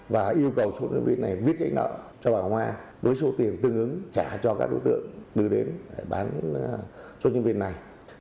và yêu cầu số nhân viên này viết trái nợ cho bà hoa với số tiền tương ứng trả cho các đối tượng đưa đến bán số nhân viên này